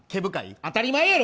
当たり前やろ！